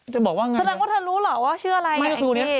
ธนัดว่าเธอรู้เหรอว่าชื่ออะไรแอบนี้